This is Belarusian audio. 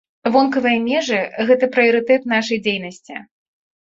Вонкавыя межы, гэта прыярытэт нашай дзейнасці.